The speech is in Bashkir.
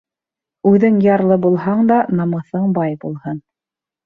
Үҙең ярлы булһаң да, намыҫың бай булһын.